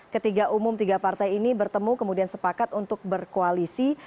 ketiga umum tiga partai ini bertemu kemudian sepakat untuk berkoalisi